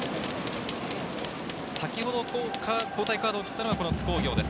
先ほど交代カードを切ったのは津工業です。